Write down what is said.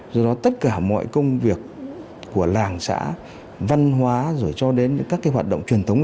do đó tất cả mọi công việc của làng xã văn hóa rồi cho đến những các cái hoạt động truyền thống